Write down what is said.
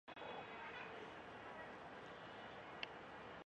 তাঁর অধ্যাপকের উচ্চ অধিকার তাঁর সদয় ব্যবহারের আবরণে কখনো অতিপ্রত্যক্ষ ছিল না।